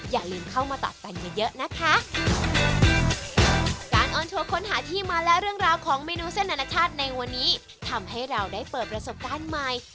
อย่าลืมเข้ามาตัดกันเยอะเยอะนะคะการออนทัวร์ค้นหาที่มาและเรื่องราวของเมนูเส้นอนาชาติในวันนี้ทำให้เราได้เปิดประสบการณ์ใหม่